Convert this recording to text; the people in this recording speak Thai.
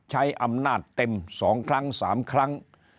ใช้อำนาจเต็ม๒ครั้ง๓ครั้ง